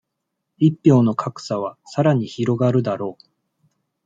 一票の格差は、さらに拡がるだろう。